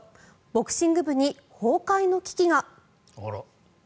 ボクシング部に崩壊の危機が。